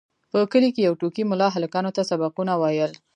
په کلي کې یو ټوکي ملا هلکانو ته سبقونه ویل.